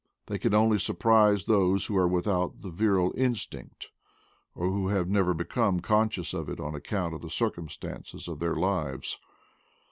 They can only surprise those who are without the virile instinct, or who have never become conscious of it on account of the circum stances of their lives.